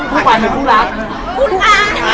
ขู่ขวัญเป็นคู่รัก